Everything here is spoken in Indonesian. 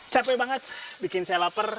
capek banget bikin saya lapar